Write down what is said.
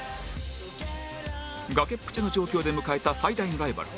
崖っぷちの状況で迎えた最大のライバル